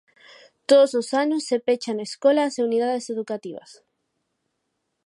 Todos os anos se pechan escolas e unidades educativas.